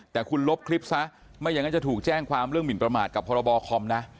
แต่คุณลบคลิปซะไม่อย่างนั้นจะถูกแจ้งความเรื่องหมินประมาทกับพรบคอมนะ